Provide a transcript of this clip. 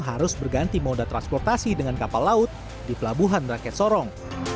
harus berganti moda transportasi dengan kapal laut di pelabuhan rakyat sorong